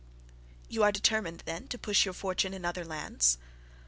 'You are determined, then, to push your fortune in other lands?'